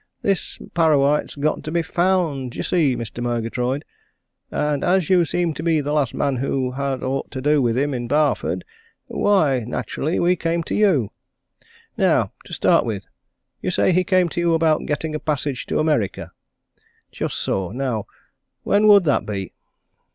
This Parrawhite's got to be found, d'ye see, Mr. Murgatroyd, and as you seem to be the last man who had aught to do with him in Barford, why, naturally, we come to you. Now, to start with, you say he came to you about getting a passage to America? Just so now, when would that be?"